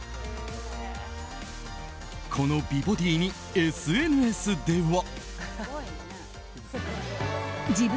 この美ボディーにＳＮＳでは。